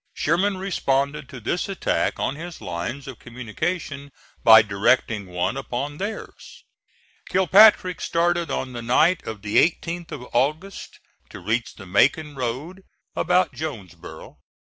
Sherman responded to this attack on his lines of communication by directing one upon theirs. Kilpatrick started on the night of the 18th of August to reach the Macon road about Jonesboro.